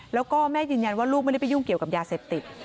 แล้วก็แม่ยืนยันว่าลูกไม่ได้ไปยุ่งเกี่ยวกับยาเสพติด